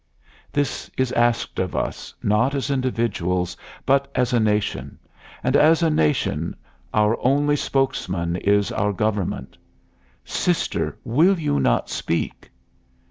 _ This is asked of us not as individuals but as a nation; and as a nation our only spokesman is our Government: "Sister, will you not speak?"